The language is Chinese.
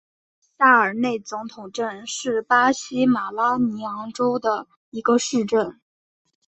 萨尔内总统镇是巴西马拉尼昂州的一个市镇。